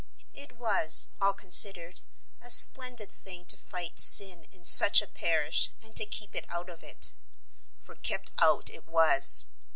It was, all considered, a splendid thing to fight sin in such a parish and to keep it out of it. For kept out it was.